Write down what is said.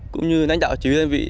cũng như đánh đạo chỉ huy đơn vị